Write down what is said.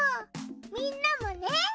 みんなもね！